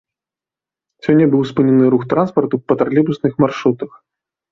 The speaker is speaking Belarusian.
Сёння быў спынены рух транспарту па тралейбусных маршрутах.